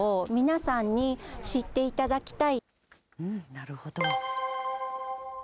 なるほど。